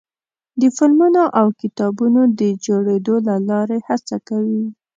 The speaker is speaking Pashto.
د فلمونو او کتابونو د جوړېدو له لارې هڅه کوي.